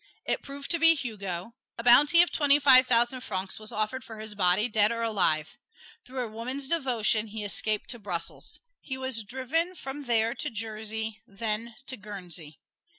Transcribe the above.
It proved to be Hugo; a bounty of twenty five thousand francs was offered for his body, dead or alive. Through a woman's devotion he escaped to Brussels. He was driven from there to Jersey, then to Guernsey.